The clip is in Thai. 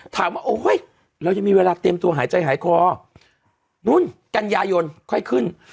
โอ๊ยเรายังมีเวลาเตรียมตัวหายใจหายคอรุ่นกันยายนค่อยขึ้น